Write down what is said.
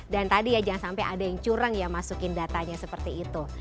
dan tadi ya jangan sampai ada yang curang ya masukin datanya seperti itu